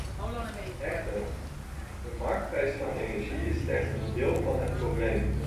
Echter, de marktprijs van energie is slechts een deel van het probleem.